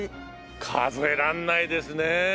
数えられないですね。